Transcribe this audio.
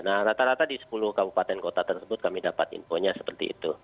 nah rata rata di sepuluh kabupaten kota tersebut kami dapat infonya seperti itu